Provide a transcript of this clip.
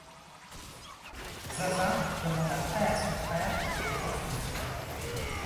Zazà demande un prêt à son frère qui le lui refuse.